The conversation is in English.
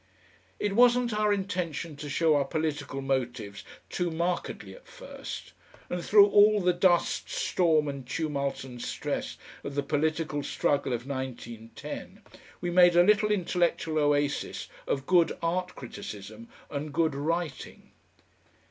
It wasn't our intention to show our political motives too markedly at first, and through all the dust storm and tumult and stress of the political struggle of 1910, we made a little intellectual oasis of good art criticism and good writing.